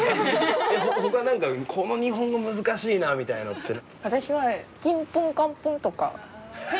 ほか何かこの日本語難しいなみたいなのって。